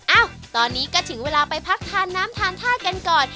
เอ้าตอนนี้ก็ถึงเวลาไปพักทานน้ำทานท่ากันก่อน